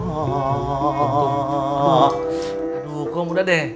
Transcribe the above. aduh kok muda deh